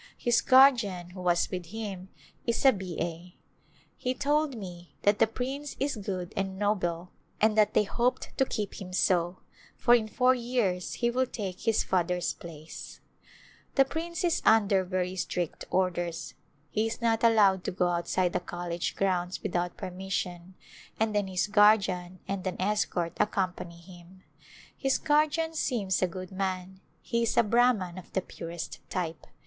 His guardian, who was with him, is a B. A. He told me that the prince is good and noble and that The Young Rajah of Khetri, Fifteen Years Old. Return to India they hoped to keep him so, for in four years he will take his father's place. The prince is under very strict orders ; he is not allowed to go outside the college grounds without per mission, and then his guardian and an escort accom pany him. His guardian seems a good man ; he is a Brahman of the purest type.